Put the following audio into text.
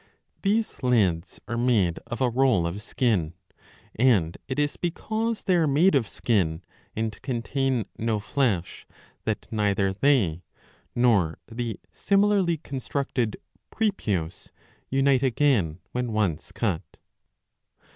These lids are made of a roll of skin ; and it is because they are made of skin and contain no flesh that neither they, nor the similarly constructed prepuce, unite again when once cut.